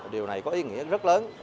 điều này có ý nghĩa rất lớn